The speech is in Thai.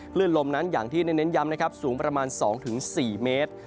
ลมนั้นอย่างที่ได้เน้นย้ำนะครับสูงประมาณ๒๔เมตร